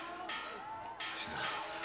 新さん。